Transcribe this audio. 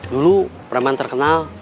dulu preman terkenal